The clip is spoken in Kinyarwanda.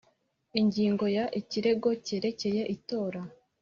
Ingingo ya Ikirego cyerekeye itora